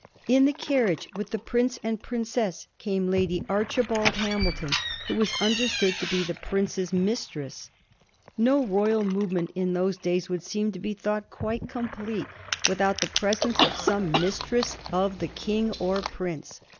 In the carriage with the prince and princess came Lady Archibald Hamilton, who was understood to be the prince's mistress. No royal movement in those days would seem to be thought quite complete without the presence of some mistress of the 1787. NEIGHBORS REQUISITIONED. 107 King or prince.